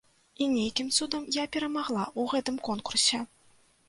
І нейкім цудам я перамагла ў гэтым конкурсе.